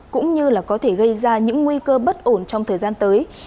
cũng như là có thể gây ra những nguy cơ bất ổn trong thời gian tới